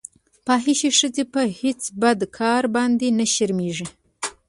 فاحشې ښځې په هېڅ بد کار باندې نه شرمېږي.